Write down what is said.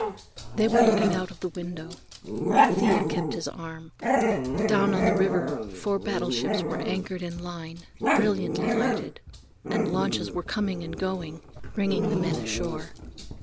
They were looking out of the window. Thea kept his arm. Down on the river four battleships were anchored in line, brilliantly lighted, and launches were coming and going, bringing the men ashore.